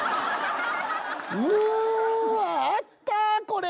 うわあったこれ。